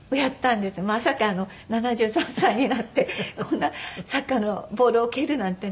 まさか７３歳になってこんなサッカーのボールを蹴るなんてね